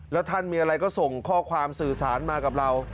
แล้วท่านมีอะไรก็ส่งข้อความสื่อสารมากับเรา